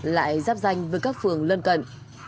lại giáp danh với các phường lân cận